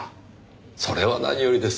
それは何よりです。